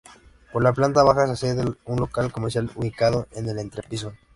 Por la planta baja se accede a un local comercial ubicado en el entrepiso.